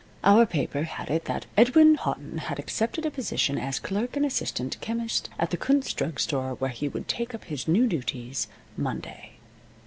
Our paper had it that "Edwin Houghton had accepted a position as clerk and assistant chemist at the Kunz drugstore, where he would take up his new duties Monday."